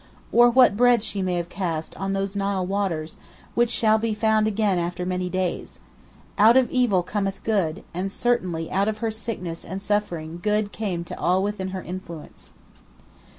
Or what "bread she may have cast" on those Nile waters, "which shall be found again after many days"? "Out of evil cometh good," and certainly out of her sickness and suffering good came to all within her influence.